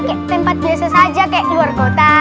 kayak tempat biasa saja kayak keluar kota